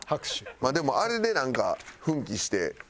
まあでもあれでなんか奮起して５６本打てた。